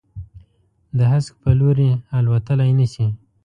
د هسک په لوري، الوتللای نه شي